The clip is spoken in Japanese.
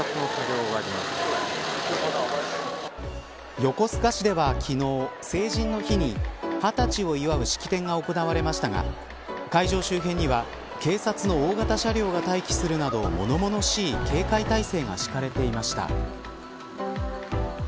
横須賀市では昨日成人の日に、二十歳を祝う式典が行われましたが会場周辺には警察の大型車両が待機するなど物々しい警戒態勢が敷かれていました。